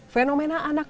fenomena anak menggugat